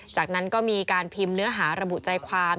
จากนั้นก็มีการพิมพ์เนื้อหาระบุใจความ